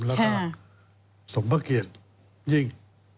แล้วสมผระเกียจยิ่ง